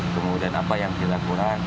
kemudian apa yang kita kurang